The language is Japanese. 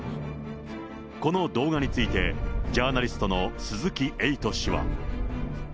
この動画について、ジャーナリストの鈴木エイト氏は。